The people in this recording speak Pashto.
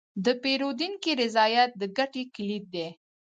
د پیرودونکي رضایت د ګټې کلید دی.